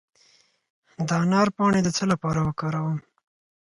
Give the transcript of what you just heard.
د انار پاڼې د څه لپاره وکاروم؟